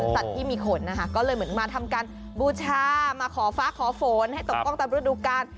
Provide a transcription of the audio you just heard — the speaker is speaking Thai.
สัตว์ที่มีขนนะคะก็เลยเหมือนมาทำการบูชามาขอฟ้าขอฝนให้ตกต้องตามฤดูกาล